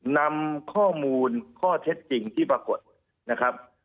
นำข้อมูลข้อเท็จจริงที่ปรากฏนะครับ